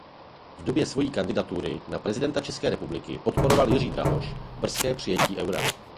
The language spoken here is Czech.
V době svojí kandidatury na prezidenta České republiky podporoval Jiří Drahoš brzké přijetí Eura.